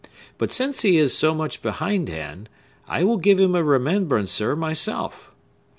But since he is so much behindhand, I will give him a remembrancer myself!"